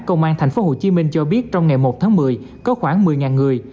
công an tp hcm cho biết trong ngày một tháng một mươi có khoảng một mươi người